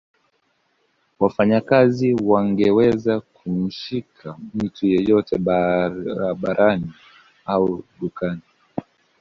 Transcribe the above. Wafanyakazi wangeweza kumshika mtu yeyote barabarani au dukani